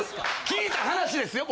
聞いた話ですよ。